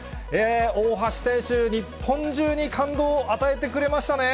大橋選手、日本中に感動を与えてくれましたね。